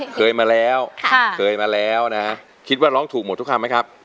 เคยมาแล้วเคยมาแล้วนะฮะคิดว่าร้องถูกหมดทุกคำไหมครับ